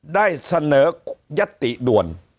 ได้เสนอยัตติด่วน